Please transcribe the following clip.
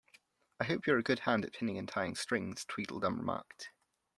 ‘I hope you’re a good hand at pinning and tying strings?’ Tweedledum remarked.